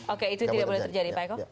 oke itu tidak boleh terjadi pak eko